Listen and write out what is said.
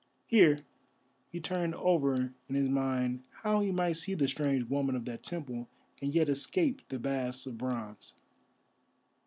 Here he turned over in his mind how he might see the strange woman of the temple, and yet escape the baths of bronze.